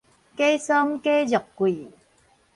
假參假肉桂